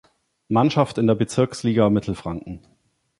Mannschaft in der Bezirksliga Mittelfranken.